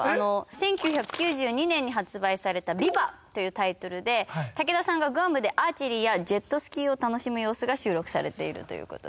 １９９２年に発売された『ｖｉｖａ』というタイトルで武田さんがグアムでアーチェリーやジェットスキーを楽しむ様子が収録されているということで。